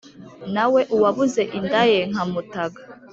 na we uwabuze inda ye nka mutaga